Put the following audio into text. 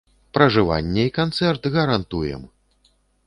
Пражыванне і канцэрт гарантуем!